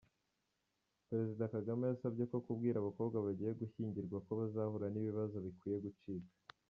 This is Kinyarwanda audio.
Perezida Kagame yasabye ko kubwira abakobwa bagiye gushyingirwa ko bazahura n’ibibazo bikwiye gucika